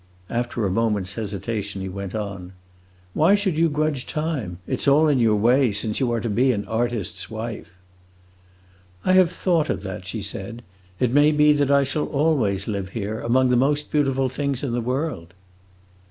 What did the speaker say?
After a moment's hesitation he went on: "Why should you grudge time? It 's all in your way, since you are to be an artist's wife." "I have thought of that," she said. "It may be that I shall always live here, among the most beautiful things in the world!"